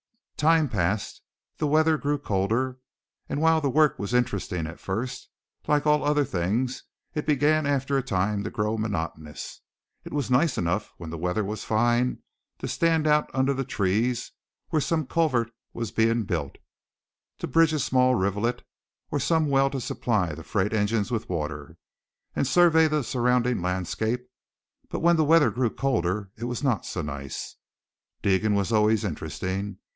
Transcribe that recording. Time passed. The weather grew colder, and while the work was interesting at first, like all other things it began after a time to grow monotonous. It was nice enough when the weather was fine to stand out under the trees, where some culvert was being built to bridge a small rivulet or some well to supply the freight engines with water, and survey the surrounding landscape; but when the weather grew colder it was not so nice. Deegan was always interesting.